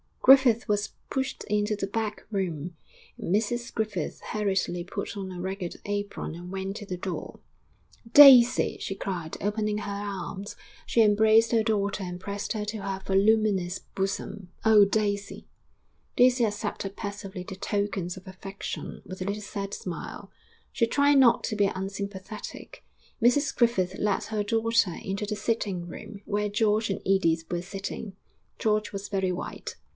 Griffith was pushed into the back room; Mrs Griffith hurriedly put on a ragged apron and went to the door. 'Daisy!' she cried, opening her arms. She embraced her daughter and pressed her to her voluminous bosom. 'Oh, Daisy!' Daisy accepted passively the tokens of affection, with a little sad smile. She tried not to be unsympathetic. Mrs Griffith led her daughter into the sitting room where George and Edith were sitting. George was very white.